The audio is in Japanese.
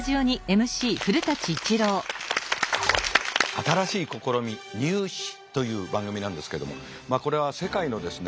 新しい試み「ニュー試」という番組なんですけどもこれは世界のですね